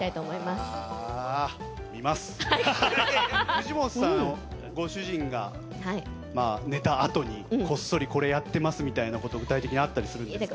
藤本さんご主人が寝たあとにこっそりこれやってますみたいな事具体的にあったりするんですか？